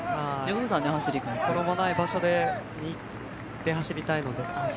転ばない場所で走りたいので。